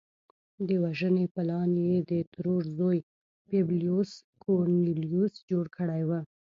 د وژنې پلان یې د ترور زوی پبلیوس کورنلیوس جوړ کړی و